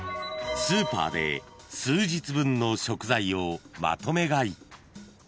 ［スーパーで数日分の食材をまとめ買い］